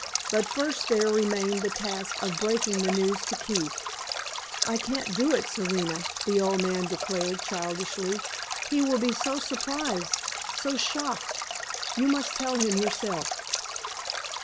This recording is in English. But first there remained the task of breaking the news to Keith. "I can't do it, Serena," the old man declared, childishly. "He will be so surprised so shocked! You must tell him yourself."